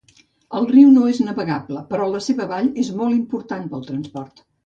El riu no és navegable, però la seva vall és molt important per al transport.